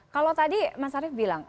kalau tadi mas arief bilang